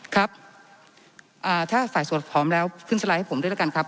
ครับถ้าฝ่ายสวดพร้อมแล้วขึ้นสไลด์ให้ผมด้วยแล้วกันครับ